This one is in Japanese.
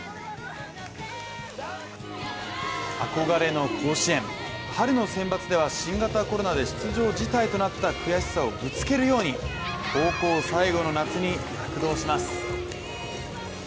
あこがれの甲子園、春の選抜では新型コロナで出場辞退となった悔しさをぶつけるように高校最後の夏に躍動します。